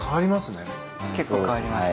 結構変わりますね。